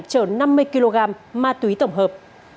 chở năm mươi kg ma túy tổng hợp